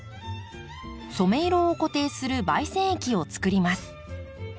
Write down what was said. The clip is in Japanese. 染め色を固定する媒染液をつくります。